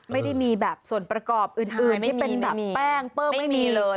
ไม่ได้มีแบบส่วนประกอบอื่นที่เป็นแบบแป้งเปิ้งไม่มีเลย